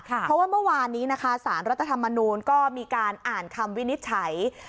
เพราะว่าเมื่อวานนี้นะคะสารรัฐธรรมนูลก็มีการอ่านคำวินิจฉัย